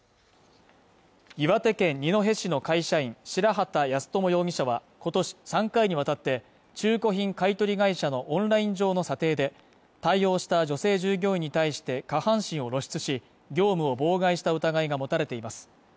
岩手県二戸市の会社員・白籏康友容疑者は、今年３回にわたって中古品買取会社のオンライン上の査定で対応した女性従業員に対して下半身を露出し、業務を妨害した疑いが持たれています。